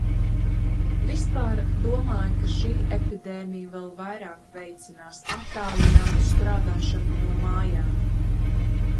Vispār, domāju, ka šī epidēmija vēl vairāk veicinās attālinātu strādāšanu no mājām.